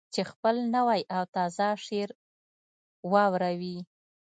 چې خپل نوی او تازه شعر واوروي.